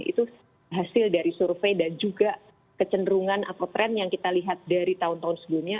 itu hasil dari survei dan juga kecenderungan atau tren yang kita lihat dari tahun tahun sebelumnya